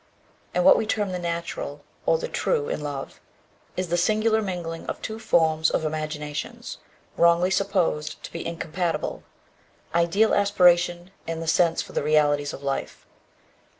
And what we term the natural, or the true in love, is the singular mingling of two forms of imaginations, wrongly supposed to be incompatible: ideal aspiration and the sense for the realities of life.